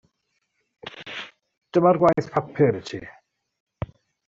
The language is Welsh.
Dyma'r gwaith papur i ti.